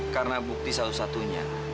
karena bukti satu satunya